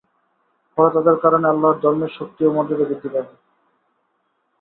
ফলে তাদের কারণে আল্লাহর ধর্মের শক্তি ও মর্যাদা বৃদ্ধি পাবে।